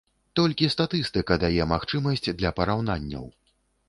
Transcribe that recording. Толькі статыстыка дае магчымасць для параўнанняў.